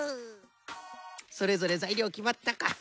それぞれざいりょうきまったか。